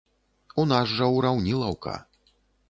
У нас жа ўраўнілаўка.